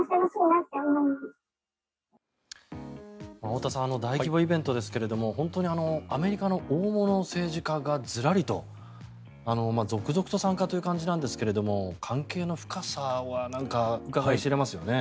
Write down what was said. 太田さん大規模イベントですけれども本当にアメリカの大物政治家がずらりと続々と参加という感じなんですが関係の深さはうかがい知れますよね。